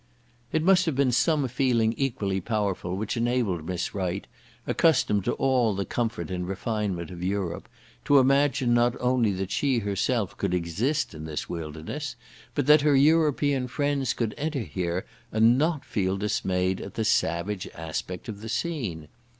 It must have been some feeling equally powerful which enabled Miss Wright, accustomed to all the comfort and refinement of Europe, to imagine not only that she herself could exist in this wilderness, but that her European friends could enter there, and not feel dismayed at the savage aspect of the scene.